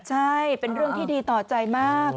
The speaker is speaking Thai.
ใช่เป็นเรื่องที่ดีต่อใจมาก